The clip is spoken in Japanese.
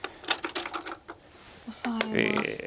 オサえまして。